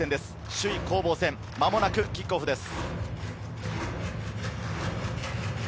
首位攻防戦、間もなくキックオフです。